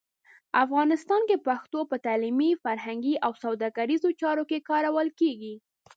افغانستان کې پښتو په تعلیمي، فرهنګي او سوداګریزو چارو کې کارول کېږي.